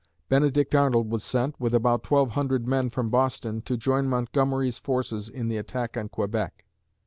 Benedict Arnold was sent, with about twelve hundred men from Boston, to join Montgomery's forces in the attack on Quebec.